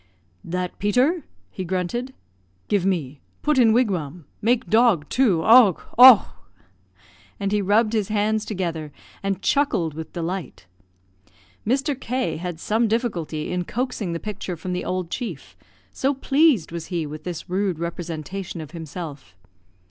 "That Peter?" he grunted. "Give me put up in wigwam make dog too! Owgh! owgh!" and he rubbed his hands together, and chuckled with delight. Mr. K had some difficulty in coaxing the picture from the old chief; so pleased was he with this rude representation of himself.